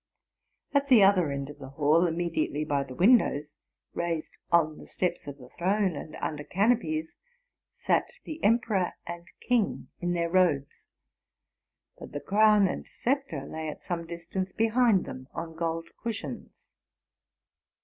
At the other end of the hall, immediately by the windows, raised on the steps of the throne, and under canopies, sat the emperor and king in their robes; but the crown and sceptre lay at some distance behind them on gold cushions.